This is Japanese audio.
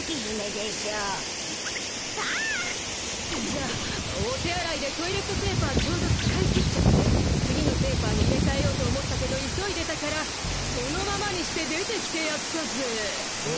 じゃあお手あらいでトイレットペーパーちょうど使い切っちゃって次のペーパーに入れかえようと思ったけど急いでたからそのままにして出てきてやったぜ。